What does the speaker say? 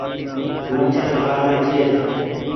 مڇر کآ ري ڇي۔